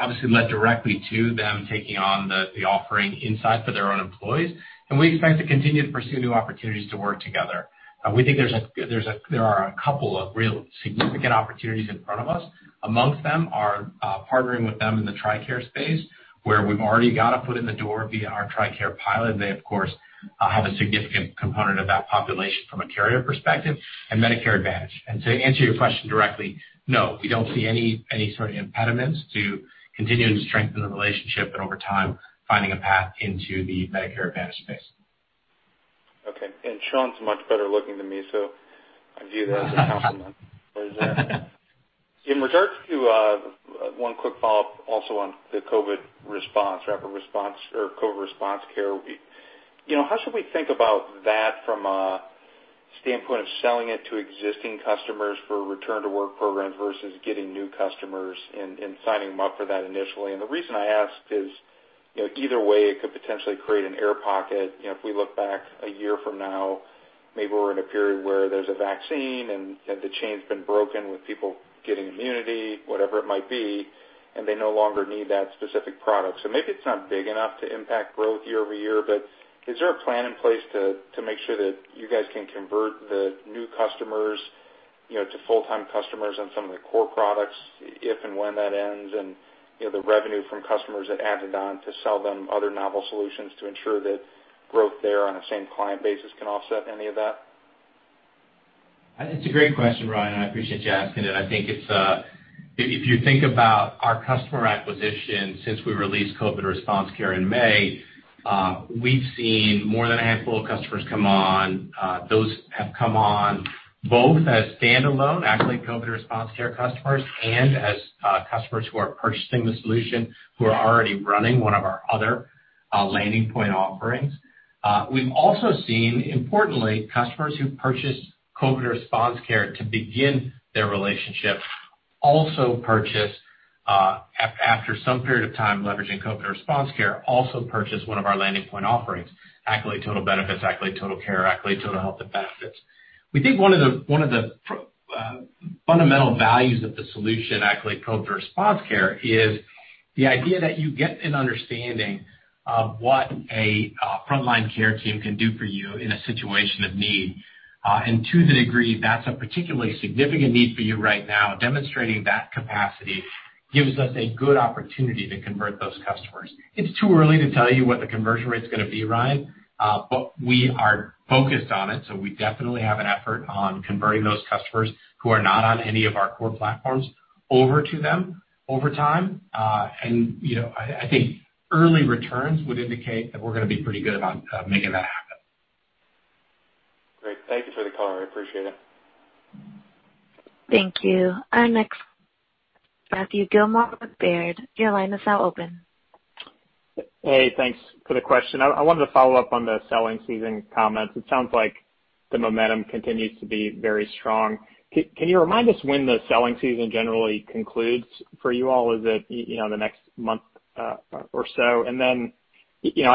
obviously led directly to them taking on the offering inside for their own employees, and we expect to continue to pursue new opportunities to work together. We think there are a couple of real significant opportunities in front of us. Amongst them are partnering with them in the TRICARE space, where we've already got a foot in the door via our TRICARE pilot. They, of course, have a significant component of that population from a carrier perspective and Medicare Advantage. To answer your question directly, no, we don't see any sort of impediments to continuing to strengthen the relationship and over time finding a path into the Medicare Advantage space. Okay. Sean's much better looking than me, so I view that as a compliment. In regards to one quick follow-up also on the COVID response or COVID Response Care, how should we think about that from a standpoint of selling it to existing customers for return to work programs versus getting new customers and signing them up for that initially? The reason I ask is, either way, it could potentially create an air pocket. If we look back a year from now, maybe we're in a period where there's a vaccine and the chain's been broken with people getting immunity, whatever it might be, and they no longer need that specific product. Maybe it's not big enough to impact growth year-over-year, but is there a plan in place to make sure that you guys can convert the new customers to full-time customers on some of the core products, if and when that ends, and the revenue from customers that added on to sell them other novel solutions to ensure that growth there on a same client basis can offset any of that? It's a great question, Ryan, and I appreciate you asking it. I think if you think about our customer acquisition since we released COVID Response Care in May, we've seen more than a handful of customers come on. Those have come on both as standalone Accolade COVID Response Care customers and as customers who are purchasing the solution who are already running one of our other panding point offerings. We've also seen, importantly, customers who purchased COVID Response Care to begin their relationship, after some period of time leveraging COVID Response Care, also purchase one of our landing point offerings, Accolade Total Benefits, Accolade Total Care, Accolade Total Health & Benefits. We think one of the fundamental values of the solution, Accolade COVID Response Care, is the idea that you get an understanding of what a frontline care team can do for you in a situation of need. To the degree that's a particularly significant need for you right now, demonstrating that capacity gives us a good opportunity to convert those customers. It's too early to tell you what the conversion rate's going to be, Ryan, but we are focused on it, so we definitely have an effort on converting those customers who are not on any of our core platforms over to them over time. I think early returns would indicate that we're going to be pretty good on making that happen. Great. Thank you for the color. I appreciate it. Thank you. Our next, Matthew Gillmor with Baird, your line is now open. Hey, thanks for the question. I wanted to follow up on the selling season comments. It sounds like the momentum continues to be very strong. Can you remind us when the selling season generally concludes for you all? Is it the next month or so?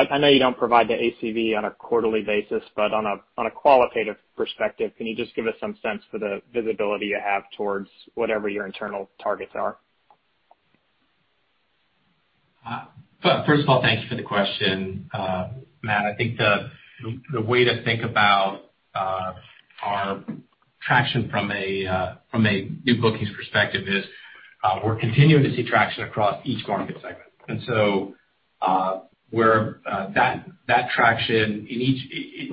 I know you don't provide the ACV on a quarterly basis, but on a qualitative perspective, can you just give us some sense for the visibility you have towards whatever your internal targets are? First of all, thank you for the question, Matt. I think the way to think about our traction from a new bookings perspective is we're continuing to see traction across each market segment. That traction in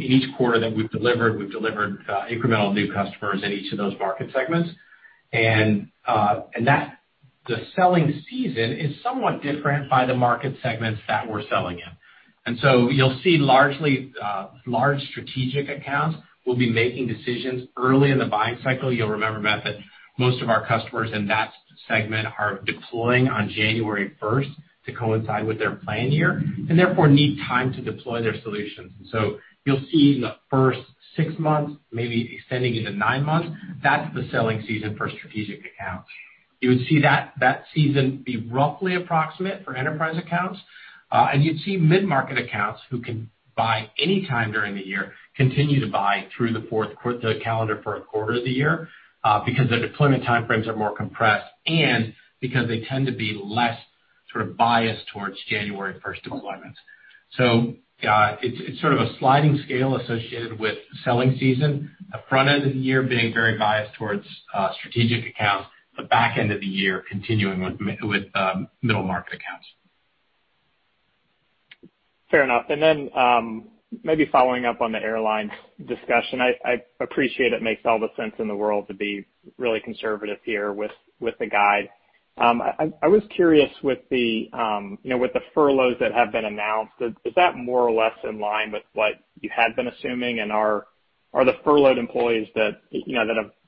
each quarter that we've delivered, we've delivered incremental new customers in each of those market segments. The selling season is somewhat different by the market segments that we're selling in. You'll see large strategic accounts will be making decisions early in the buying cycle. You'll remember, Matt, that most of our customers in that segment are deploying on January 1st to coincide with their plan year, and therefore need time to deploy their solutions. You'll see in the first six months, maybe extending into nine months, that's the selling season for strategic accounts. You would see that season be roughly approximate for enterprise accounts. You'd see mid-market accounts, who can buy any time during the year, continue to buy through the calendar fourth quarter of the year because their deployment time frames are more compressed and because they tend to be less biased towards January 1 deployments. It's sort of a sliding scale associated with selling season. The front end of the year being very biased towards strategic accounts, the back end of the year continuing with middle market accounts. Fair enough. Maybe following up on the airline discussion, I appreciate it makes all the sense in the world to be really conservative here with the guide. I was curious with the furloughs that have been announced, is that more or less in line with what you had been assuming and Are the furloughed employees that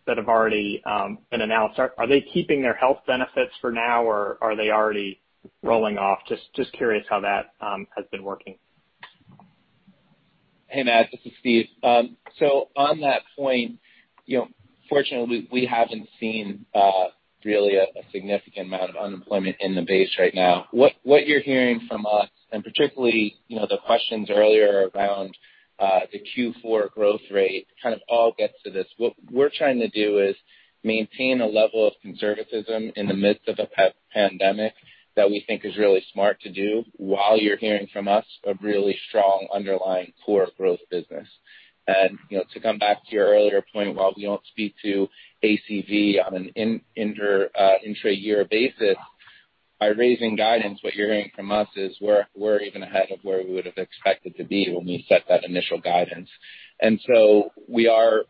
have already been announced, are they keeping their health benefits for now, or are they already rolling off? Just curious how that has been working. Hey, Matt, this is Steve. On that point, fortunately, we haven't seen really a significant amount of unemployment in the base right now. What you're hearing from us, and particularly, the questions earlier around the Q4 growth rate kind of all gets to this. What we're trying to do is maintain a level of conservatism in the midst of a pandemic that we think is really smart to do while you're hearing from us, a really strong underlying core growth business. To come back to your earlier point, while we don't speak to ACV on an intra year basis, by raising guidance, what you're hearing from us is we're even ahead of where we would've expected to be when we set that initial guidance.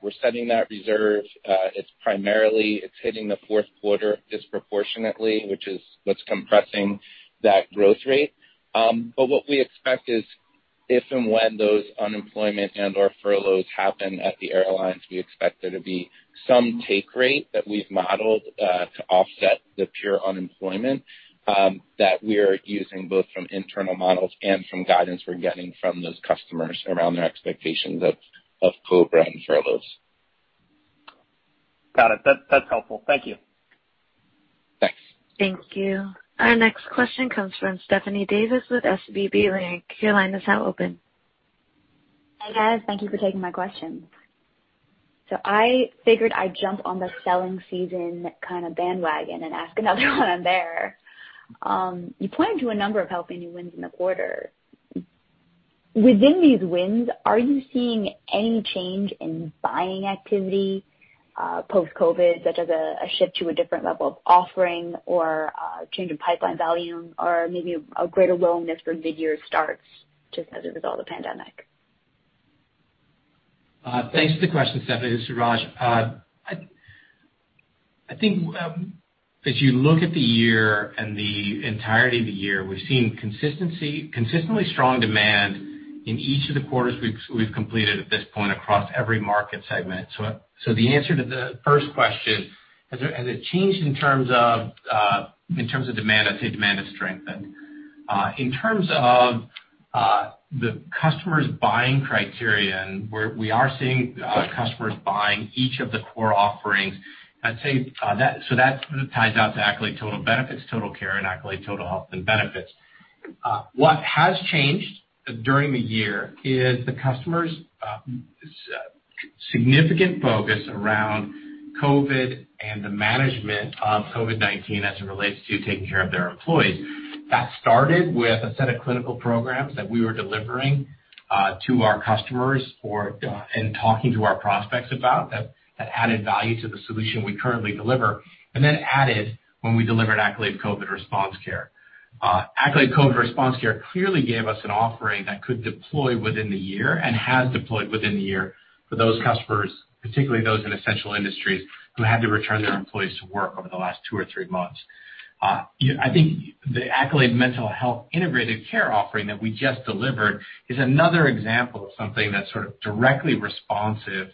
We're setting that reserve. It's primarily hitting the fourth quarter disproportionately, which is what's compressing that growth rate. What we expect is if and when those unemployment and/or furloughs happen at the airlines, we expect there to be some take rate that we've modeled, to offset the pure unemployment, that we're using both from internal models and from guidance we're getting from those customers around their expectations of COBRA and furloughs. Got it. That's helpful. Thank you. Thanks. Thank you. Our next question comes from Stephanie Davis with SVB Leerink. Hey, guys. Thank you for taking my question. I figured I'd jump on the selling season kind of bandwagon and ask another one while I'm there. You pointed to a number of healthy new wins in the quarter. Within these wins, are you seeing any change in buying activity post-COVID, such as a shift to a different level of offering or a change in pipeline volume or maybe a greater willingness for mid-year starts just as a result of the pandemic? Thanks for the question, Stephanie. This is Raj. I think as you look at the year and the entirety of the year, we've seen consistently strong demand in each of the quarters we've completed at this point across every market segment. The answer to the first question, has it changed in terms of demand? I'd say demand has strengthened. In terms of the customer's buying criterion, we are seeing customers buying each of the core offerings. That sort of ties out to Accolade Total Benefits, Total Care, and Accolade Total Health and Benefits. What has changed during the year is the customer's significant focus around COVID and the management of COVID-19 as it relates to taking care of their employees. That started with a set of clinical programs that we were delivering to our customers, and talking to our prospects about, that added value to the solution we currently deliver, and then added when we delivered Accolade COVID Response Care. Accolade COVID Response Care clearly gave us an offering that could deploy within the year and has deployed within the year for those customers, particularly those in essential industries, who had to return their employees to work over the last two or three months. I think the Accolade Mental Health Integrated Care offering that we just delivered is another example of something that's sort of directly responsive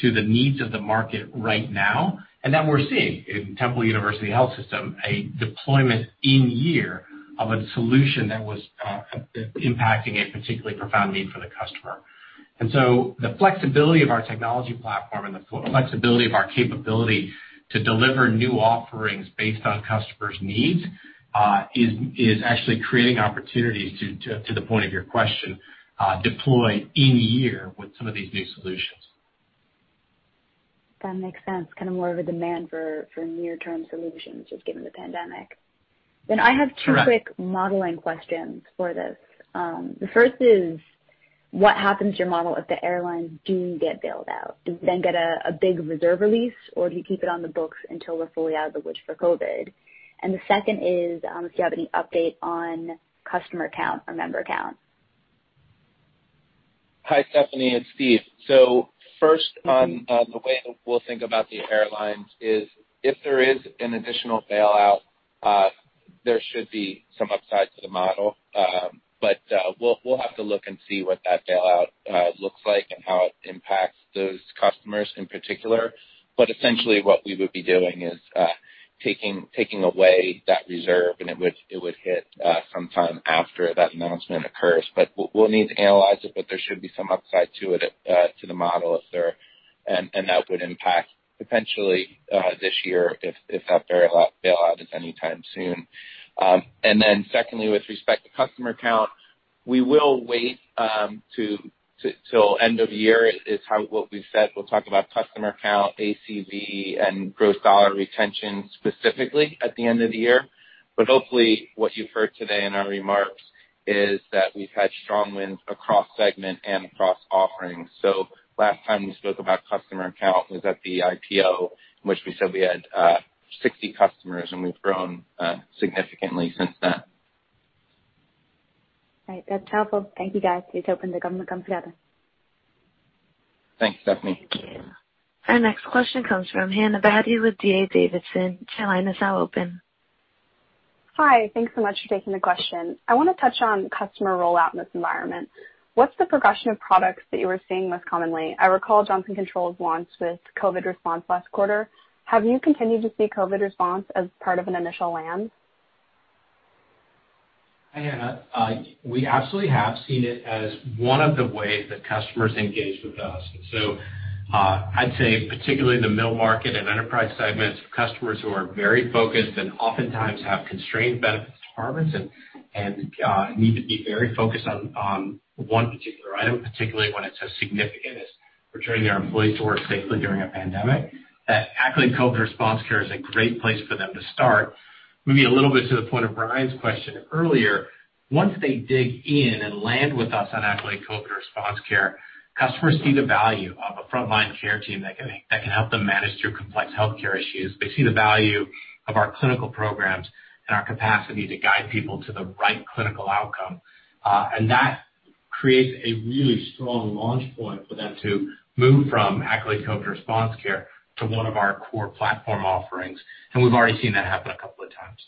to the needs of the market right now, and that we're seeing in Temple University Health System, a deployment in year of a solution that was impacting a particularly profound need for the customer. The flexibility of our technology platform and the flexibility of our capability to deliver new offerings based on customers' needs, is actually creating opportunities to the point of your question, deploy in year with some of these new solutions. That makes sense. Kind of more of a demand for near-term solutions, just given the pandemic. Correct. I have two quick modeling questions for this. The first is what happens to your model if the airlines do get bailed out? Do you then get a big reserve release, or do you keep it on the books until we're fully out of the woods for COVID? The second is, if you have any update on customer count or member count. Hi, Stephanie, it's Steve. First on the way we'll think about the airlines is if there is an additional bailout, there should be some upside to the model. We'll have to look and see what that bailout looks like and how it impacts those customers in particular. Essentially what we would be doing is taking away that reserve, and it would hit sometime after that announcement occurs. We'll need to analyze it, but there should be some upside to the model if there. That would impact potentially, this year if that bailout is anytime soon. Secondly, with respect to customer count, we will wait till end of year is what we've said. We'll talk about customer count, ACV, and gross dollar retention specifically at the end of the year. Hopefully what you've heard today in our remarks is that we've had strong wins across segment and across offerings. Last time we spoke about customer count was at the IPO, in which we said we had 60 customers, and we've grown significantly since then. Right. That's helpful. Thank you, guys. Appreciate the comments. Thanks, Stephanie. Thank you. Our next question comes from Hannah Baade with D.A. Davidson. Your line is now open. Hi. Thanks so much for taking the question. I want to touch on customer rollout in this environment. What's the progression of products that you are seeing most commonly? I recall Johnson Controls launch with COVID Response last quarter. Have you continued to see COVID Response as part of an initial land? Hannah, we absolutely have seen it as one of the ways that customers engage with us. I'd say particularly the mid-market and enterprise segments, customers who are very focused and oftentimes have constrained benefits departments and need to be very focused on one particular item, particularly when it's as significant as returning their employees to work safely during a pandemic, that Accolade COVID Response Care is a great place for them to start. Maybe a little bit to the point of Ryan's question earlier, once they dig in and land with us on Accolade COVID Response Care, customers see the value of a frontline care team that can help them manage through complex healthcare issues. They see the value of our clinical programs and our capacity to guide people to the right clinical outcome. That creates a really strong launch point for them to move from Accolade COVID Response Care to one of our core platform offerings, and we've already seen that happen a couple of times.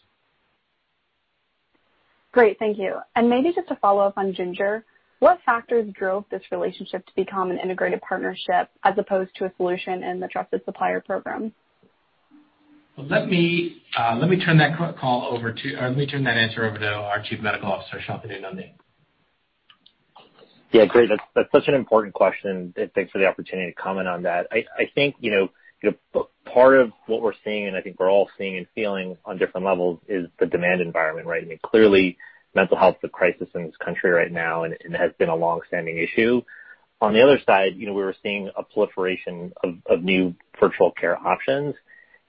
Great. Thank you. Maybe just to follow up on Ginger, what factors drove this relationship to become an integrated partnership as opposed to a solution in the trusted supplier program? Let me turn that answer over to our Chief Medical Officer, Shantanu Nundy. Yeah, great. That's such an important question. Thanks for the opportunity to comment on that. I think part of what we're seeing, and I think we're all seeing and feeling on different levels, is the demand environment, right? I mean, clearly mental health is a crisis in this country right now, and it has been a long-standing issue. On the other side, we were seeing a proliferation of new virtual care options,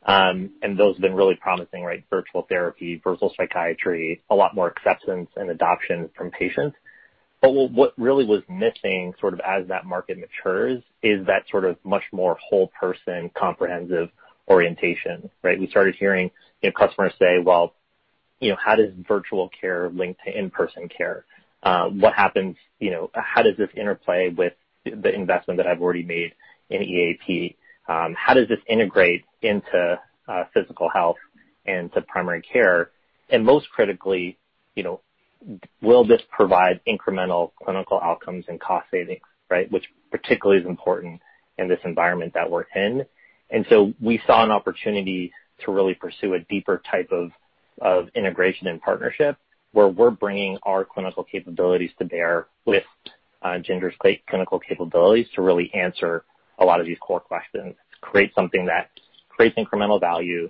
and those have been really promising, right? Virtual therapy, virtual psychiatry, a lot more acceptance and adoption from patients. What really was missing sort of as that market matures is that sort of much more whole person, comprehensive orientation, right? We started hearing customers say, "Well, how does virtual care link to in-person care? How does this interplay with the investment that I've already made in EAP? How does this integrate into physical health and to primary care? Most critically, "Will this provide incremental clinical outcomes and cost savings," right? Which particularly is important in this environment that we're in. We saw an opportunity to really pursue a deeper type of integration and partnership where we're bringing our clinical capabilities to bear with Ginger's great clinical capabilities to really answer a lot of these core questions, create something that creates incremental value,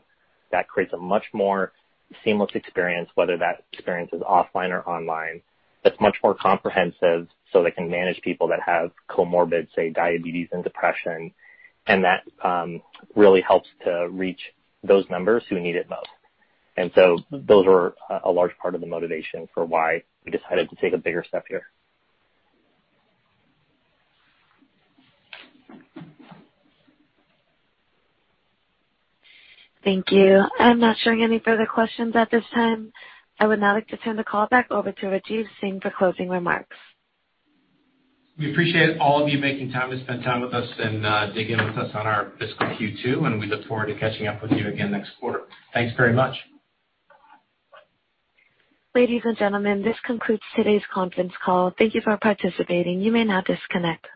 that creates a much more seamless experience, whether that experience is offline or online, that's much more comprehensive, so they can manage people that have comorbid, say, diabetes and depression. That really helps to reach those members who need it most. Those were a large part of the motivation for why we decided to take a bigger step here. Thank you. I'm not showing any further questions at this time. I would now like to turn the call back over to Rajeev Singh for closing remarks. We appreciate all of you making time to spend time with us and dig in with us on our fiscal Q2, and we look forward to catching up with you again next quarter. Thanks very much. Ladies and gentlemen, this concludes today's conference call. Thank you for participating. You may now disconnect.